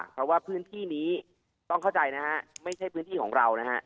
เพราะว่าพื้นที่นี้ต้องเข้าใจนะฮะไม่ใช่พื้นที่ของเรานะฮะ